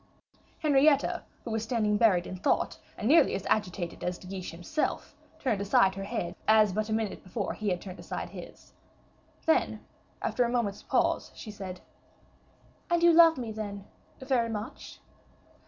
Henrietta, who was standing buried in thought, and nearly as agitated as De Guiche himself, turned aside her head as but a minute before he had turned aside his. Then, after a moment's pause, she said, "And you love me, then, very much?"